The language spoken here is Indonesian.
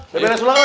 beberes ulang weh